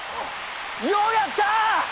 ようやった！